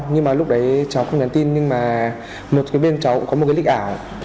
nhưng mà lúc đấy cháu không nhắn tin nhưng mà một cái bên cháu cũng có một cái lịch ảo